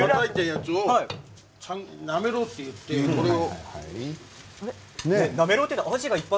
たたいたやつをなめろうといって、これを。